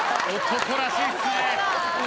男らしい。